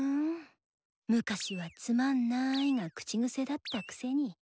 昔は「つまんない」が口癖だったクセに。